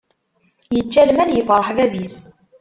Yečča lmal yefṛeḥ bab-is.